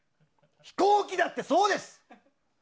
飛行機だってそうです。